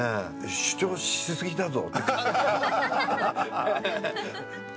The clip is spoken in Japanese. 主張しすぎだぞ。